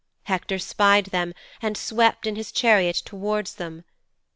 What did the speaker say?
Hector spied them and swept in his chariot towards them.